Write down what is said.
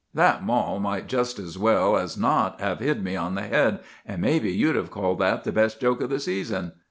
That mall might just as well as not have hit me on the head, and maybe you'd have called that the best joke of the season.